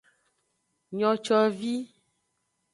Nocovi.